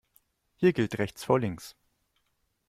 Hier gilt rechts vor links.